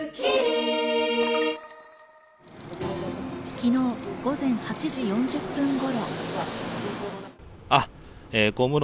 昨日、午前８時４０分頃。